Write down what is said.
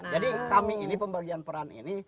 jadi kami ini pembagian peran ini